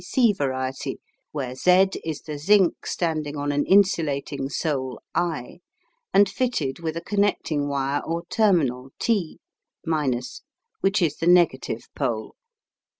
C. C." variety, where Z is the zinc standing on an insulating sole I, and fitted with a connecting wire or terminal T (), which is the negative pole.